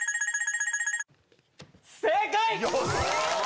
正解！